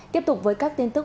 tiếp tục với các tin tức